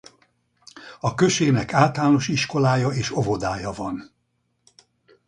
A községnek általános iskolája és óvodája van.